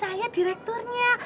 suami saya direkturnya